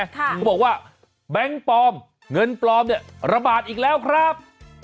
เขาบอกว่าแบงค์ปลอมเงินปลอมเนี่ยระบาดอีกแล้วครับ